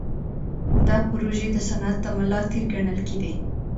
دا پروژې د صنعت د ملا تیر ګڼل کېدې.